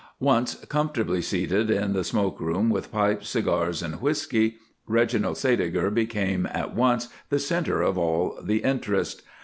Once comfortably seated in the smoke room with pipes, cigars, and whisky, Reginald Sædeger became at once the centre of all the interest.